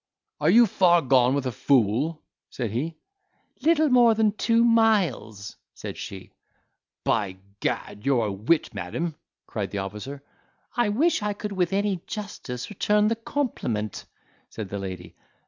"Are you far gone with a fool?" said he. "Little more than two miles," said she. "By Gad, you're a wit, madam," cried the officer, "I wish I could with any justice return the compliment," said the lady.